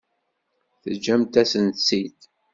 Teǧǧamt-asen-tt-id.